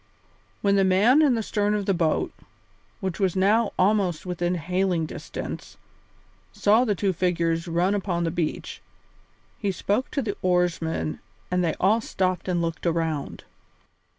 When the man in the stern of the boat, which was now almost within hailing distance, saw the two figures run down upon the beach, he spoke to the oarsmen and they all stopped and looked around.